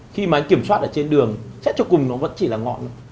khi mà anh kiểm soát ở trên đường xét cho cùng nó vẫn chỉ là ngọn